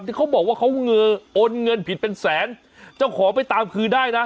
เขาบอกว่าเขาโอนเงินผิดเป็นแสนเจ้าของไปตามคืนได้นะ